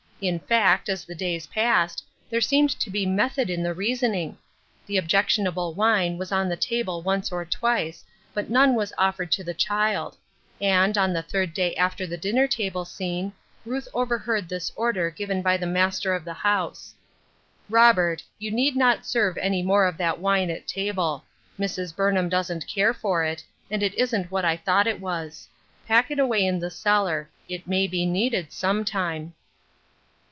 In fact, as the days passed, there seemed to be method in the reasoning. The objectionable wine was on the table once or twice, but none was offered to the child ; and, on the third day after the dinner table scene, Ruth overheard this order given by the master of the house, —" Robert, you need not serve any more of that wine at table ; Mrs. Burnham doesn't care for it, and it isn't what I thought it was ; pack it away in the cellar ; it may be needed sometime."